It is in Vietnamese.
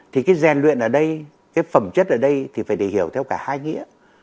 thì cái rèn luyện ở đây cái phẩm chất ở đây thì phải để hiểu theo cả hai nghĩa